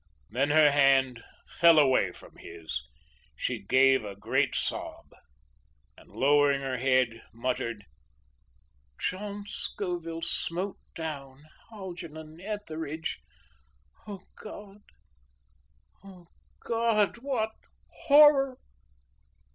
Then her hand fell away from his; she gave a great sob, and, lowering her head, muttered: "John Scoville smote down Algernon Etheridge! O God! O God! what horror!"